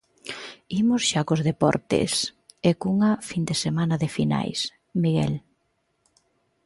Imos xa cos deportes, e cunha fin de semana de finais, Miguel.